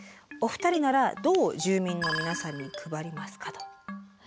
お二人ならどう住民の皆さんに配りますかと。